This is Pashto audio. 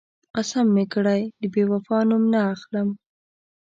قسم مې کړی، د بېوفا نوم نه اخلم.